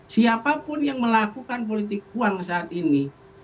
siapapun yang melakukan politik uang saat ini